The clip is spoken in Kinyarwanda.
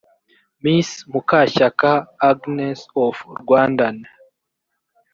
mrs mukashyaka agn s of rwandan